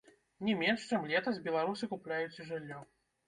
Не менш, чым летась, беларусы купляюць і жыллё.